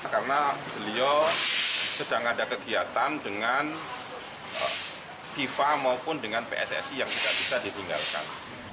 karena beliau sedang ada kegiatan dengan fifa maupun dengan pssi yang tidak bisa ditinggalkan